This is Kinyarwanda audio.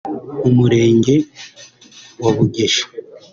mu Murenge wa Bugeshi